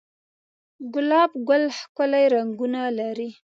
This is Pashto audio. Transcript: گلاب گل ښکلي رنگونه لري